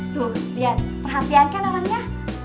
tuh lihat perhatian kan anaknya